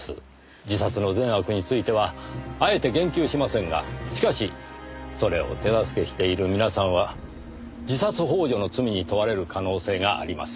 自殺の善悪についてはあえて言及しませんがしかしそれを手助けしている皆さんは自殺幇助の罪に問われる可能性があります。